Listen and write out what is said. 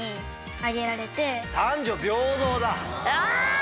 あ！